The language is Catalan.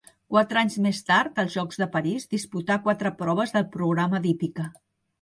Quatre anys més tard, als Jocs de París, disputà quatre proves del programa d'hípica.